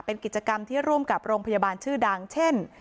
เป็นกิจกรรมที่ร่วมกับโรงพยาบาลชื่อดังเช่น